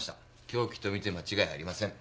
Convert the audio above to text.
凶器とみて間違いありません。